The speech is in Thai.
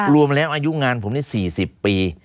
รวมแล้วอายุงานผมนี่๔๐ปี